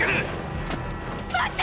待って！